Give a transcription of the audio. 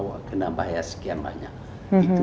anda harus bayar sekian banyak